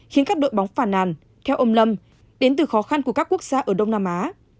khiến các đội bóng phản nàn theo ông lâm đến từ khó khăn của các quốc gia ở đông nam á